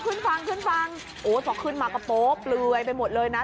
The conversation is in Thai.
ขึ้นฝั่งขึ้นฝั่งโอ้พอขึ้นมาก็โป๊เปลือยไปหมดเลยนะ